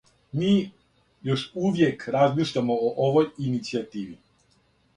Ми... још увијек размишљамо о овој иницијативи.